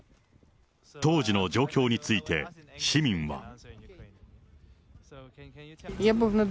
当時の状況について、市民は。